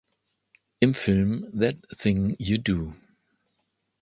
Im Film "That Thing You Do!